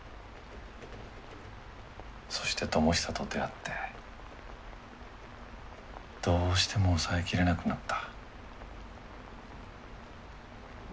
そして智久と出会ってどうしても抑えきれなくなった。